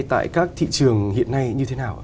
tại các thị trường hiện nay như thế nào